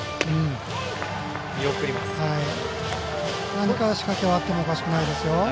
何か仕掛けはあってもおかしくないですよ。